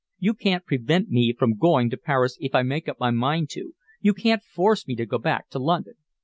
You can't prevent me from going to Paris if I make up my mind to. You can't force me to go back to London."